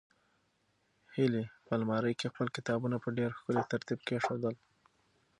هیلې په المارۍ کې خپل کتابونه په ډېر ښکلي ترتیب کېښودل.